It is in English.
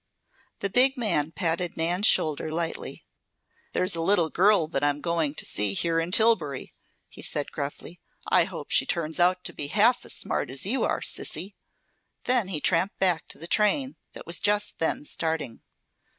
The big man patted Nan's shoulder lightly. "There's a little girl that I'm going to see here in Tillbury," he said gruffly. "I hope she turns out to be half as smart as you are, sissy." Then he tramped back to the train that was just then starting.